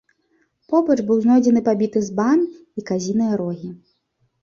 Побач быў знойдзены пабіты збан і казіныя рогі.